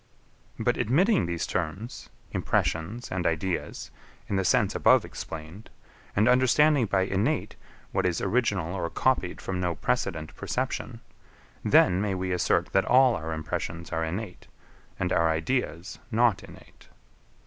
But admitting these terms, impressions and ideas, in the sense above explained, and understanding by innate, what is original or copied from no precedent perception, then may we assert that all our impressions are innate, and our ideas not innate.